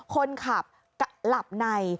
คนขับกระหลับใน